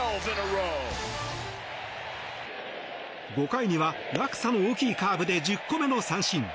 ５回には落差の大きいカーブで１０個目の三振。